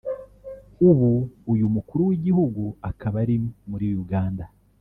ubu uyu Mukuru w’Igihugu akaba ari muri Uganda